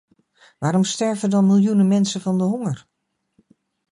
Waarom sterven dan miljoenen mensen van de honger?